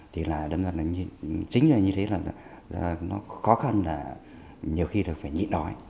thì chính là như thế là nó khó khăn nhiều khi là phải nhịn đói